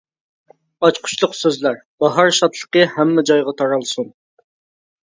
ئاچقۇچلۇق سۆزلەر : باھار شادلىقى ھەممە جايغا تارالسۇن!